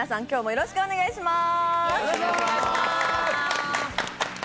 よろしくお願いします。